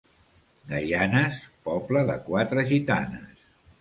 Gaianes, poble de quatre gitanes.